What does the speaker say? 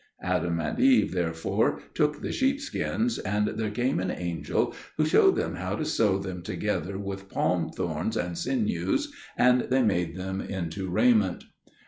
Adam and Eve therefore took the sheep skins, and there came an angel who showed them how to sew them together with palm thorns and sinews, and they made them into raiment.